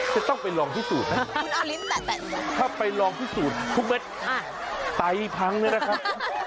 จะต้องไปรองที่ศูนย์ไหมถ้าไปรองที่ศูนย์ทุกเบ็ดไตพังนี่แหละครับ